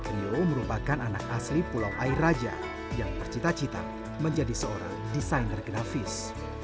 rio merupakan anak asli pulau air raja yang bercita cita menjadi seorang desainer grafis